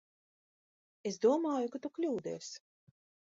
Es domāju, ka tu kļūdies.